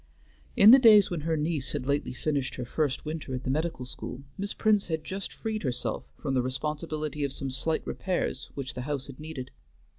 In the days when her niece had lately finished her first winter at the medical school, Miss Prince had just freed herself from the responsibility of some slight repairs which the house had needed.